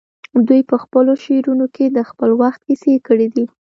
دوی په خپلو شعرونو کې د خپل وخت کیسې کړي دي